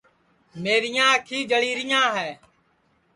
میریاں انکھی جݪی ریاں ہے